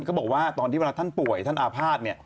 บอกว่าตอนที่เวลาท่านป่วยท่านอาภาษณ์เนี่ย